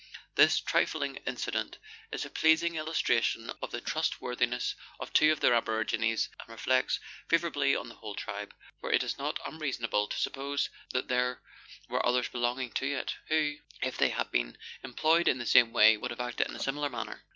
This trifling incident is a pleasing illustration of the trustworthiness of two of the aborigines, and reflects favourably on the whole tribe, for it is not unreasonable to suppose that there were others belonging to it, who, if they had been em ployed in the same way, would have acted in a similar manner.